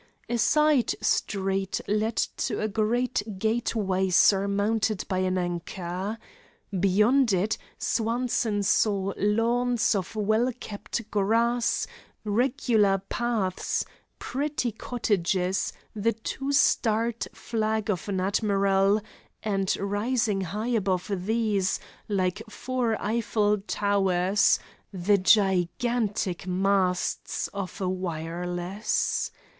A side street led to a great gateway surmounted by an anchor. Beyond it Swanson saw lawns of well kept grass, regular paths, pretty cottages, the two starred flag of an admiral, and, rising high above these, like four Eiffel towers, the gigantic masts of a wireless.